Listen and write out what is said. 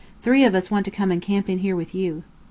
Three of us want to come and camp in here with you."